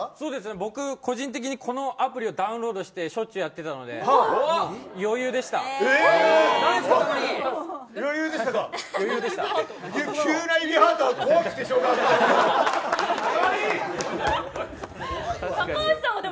僕、個人的にこのアプリをダウンロードしてしょっちゅう余裕でしたか。